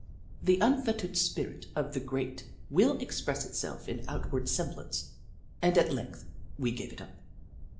The unfettered spirit of the great will express itself in outward semblance, and at length we gave it up.